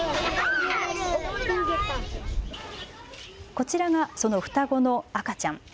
こちらがその双子の赤ちゃん。